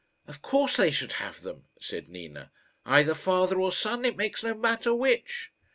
"Of course they should have them," said Nina; "either father or son it makes no matter which."